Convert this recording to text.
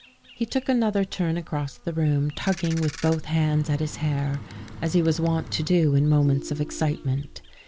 He took another turn across the room, tugging with both hands at his hair, as he was wont to do in moments of excitement.